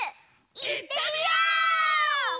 いってみよう！